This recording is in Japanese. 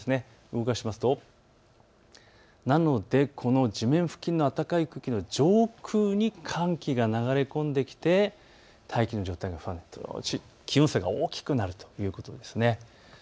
動かしますと地面付近の暖かい空気の上空に寒気が流れ込んできて大気の状態が不安定、少し気温差が大きくなるということです。